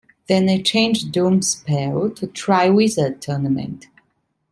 Then I changed "Doomspell" to "Triwizard Tournament".